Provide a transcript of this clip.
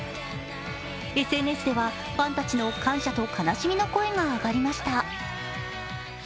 ＳＮＳでは、ファンたちの感謝と悲しみの声が上がりました。